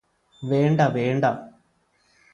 വേണ്ട വേണ്ട